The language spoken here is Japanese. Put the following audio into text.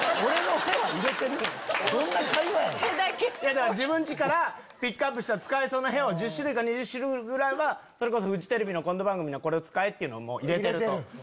だから自分家からピックアップしたら使えそうな屁を１０種類から２０種類ぐらいはそれこそフジテレビのコント番組にはこれを使えっていうのを入れてると。